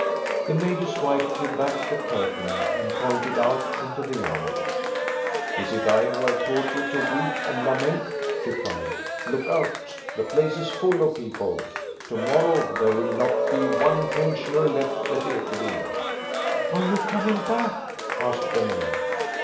The major's wife drew back the curtain and pointed out into the yard. " Is it I who have taught you to weep and lament? " she cried. "Look out! the place is full of people; to morrow there will not be one pensioner left at Ekeby." Are you coming back? " asked the maid.